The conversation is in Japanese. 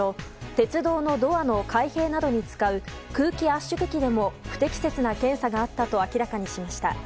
鉄道のドアの開閉などに使う空気圧縮機でも不適切な検査があったと明らかにしました。